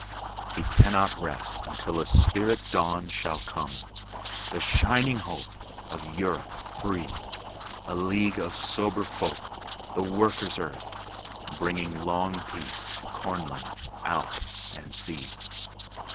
He cannot rest until a spirit dawnShall come;—the shining hope of Europe free:A league of sober folk, the Workers' Earth, Bringing long peace to Cornland, Alp and Sea.